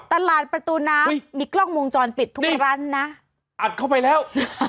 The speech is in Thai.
ตลาดประตูน้ำมีกล้องวงจรปิดทุกร้านนะอัดเข้าไปแล้ว